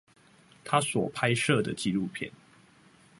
他所拍攝的紀錄片